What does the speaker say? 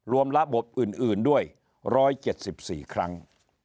รวมระบบอื่นด้วย๑๗๔ครั้ง